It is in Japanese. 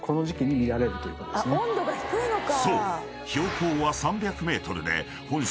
［そう！］